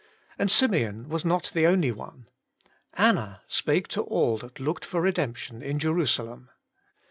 And Simeon was not the only one. Anna spake to all that looked for redemption in Jerusalem.